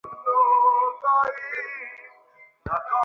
বিনয় সতীশকে কাছে টানিয়া লইয়া হাসিয়া কহিল, তুমি বলো দেখি মনোযোগ মানে কী?